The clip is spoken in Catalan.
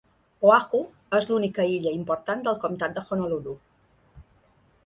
Oahu és l'única illa important del comtat de Honolulu.